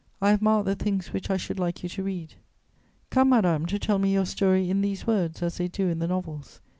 I have marked the things which I should like you to read.... "Come, madame, to tell me your story 'in these words,' as they do in the novels.